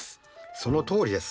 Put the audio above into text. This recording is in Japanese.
そのとおりです。